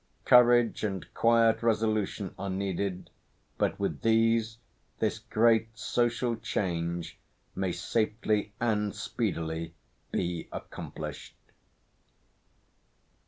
Courage and quiet resolution are needed, but, with these, this great social change may safely and speedily be accomplished.